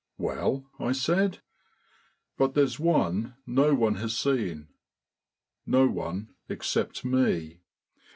"Well?" I said. "But there's one no one has seen no one except me."